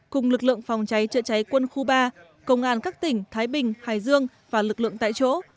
cùng lực lượng phòng cháy chữa cháy quân khu ba công an các tỉnh thái bình hải dương và lực lượng tại chỗ